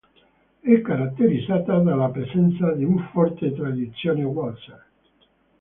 È caratterizzata dalla presenza di una forte tradizione Walser.